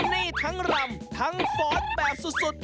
นี่ทั้งรำทั้งฟอสแบบสุด